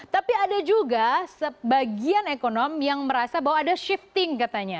tapi ada juga sebagian ekonom yang merasa bahwa ada shifting katanya